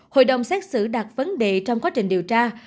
hội đồng xét xử đặt vấn đề trong quá trình điều tra